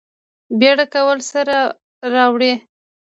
بیړه کول څه راوړي؟